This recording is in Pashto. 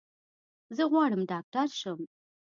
زه غواړم ډاکټر شم.